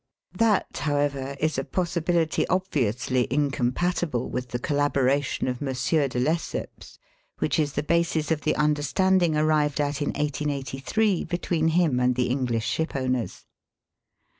That, however, is a possibility obviously incom patible with the collaboration of M. de Lesseps, which is the basis of the imderstand ing arrived at in 1883 between him and the Enghsh shipowners.